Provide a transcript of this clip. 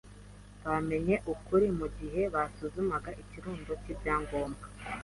Bamenye ukuri mugihe basuzumaga ikirundo cyibyangombwa.